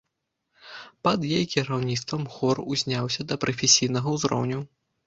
Пад яе кіраўніцтвам хор узняўся да прафесійнага ўзроўню.